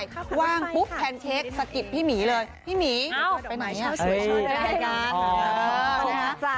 หนีขน้อยออกไปว่างปุ๊บแพนเค้กสกิตพี่หมีเลยพี่หมีไปไหนอ่ะ